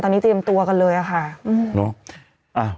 ตอนนี้เตรียมตัวกันเลยอะค่ะ